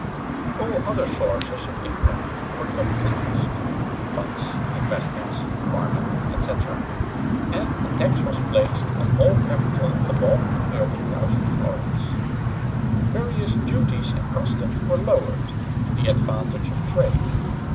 All other sources of income were capitalised (funds, investments, farming, etc.); and a tax was placed on all capital above 13,000 florins. Various duties and customs were lowered, to the advantage of trade.